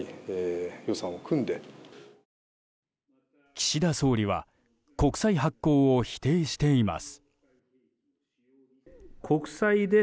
岸田総理は国債発行を否定しています。